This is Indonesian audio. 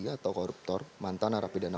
atau koruptor mantan narapidana